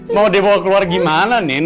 mau dia bawa keluar gimana nin